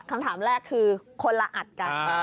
คำถามแรกคือคนละอัดกัน